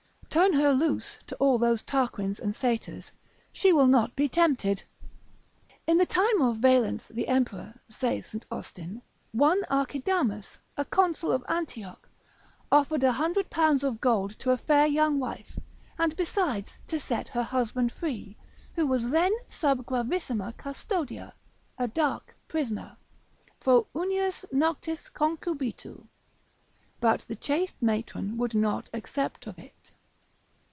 Turn her loose to all those Tarquins and Satyrs, she will not be tempted. In the time of Valence the Emperor, saith St. Austin, one Archidamus, a Consul of Antioch, offered a hundred pounds of gold to a fair young wife, and besides to set her husband free, who was then sub gravissima custodia, a dark prisoner, pro unius noctis concubitu: but the chaste matron would not accept of it.